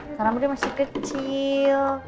sekarang dia masih kecil